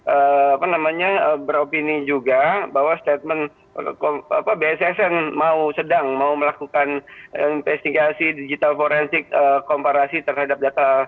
apa namanya beropini juga bahwa statement bssn mau sedang mau melakukan investigasi digital forensik komparasi terhadap data